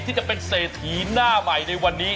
ที่จะเป็นเศรษฐีหน้าใหม่ในวันนี้